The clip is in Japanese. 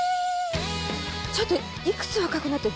ちょっと幾つ若くなった？